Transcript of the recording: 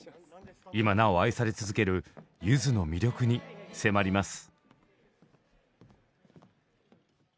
今なお愛され続けるゆずの魅力に迫ります。